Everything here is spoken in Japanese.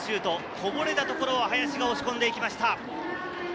こぼれた所を林が押し込んでいきました。